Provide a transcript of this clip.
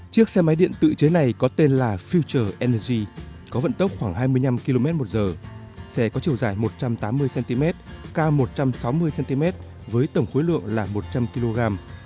chiếc xe máy điện tự chế này có tên là futer energy có vận tốc khoảng hai mươi năm km một giờ xe có chiều dài một trăm tám mươi cm cao một trăm sáu mươi cm với tổng khối lượng là một trăm linh kg